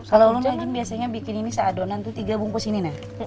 kalau daging biasanya bikin ini seadonan itu tiga bungkus ini nih